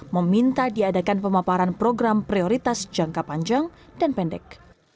meminta diadakan pemaparan program prioritas jangka panjang dan pendek